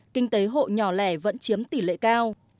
kinh tế hộ nhỏ lẻ vẫn chiếm tỷ lệ cao